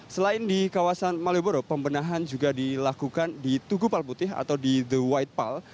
selain di kawasan malioboro pembenahan juga dilakukan di tugu palputih atau di the white pal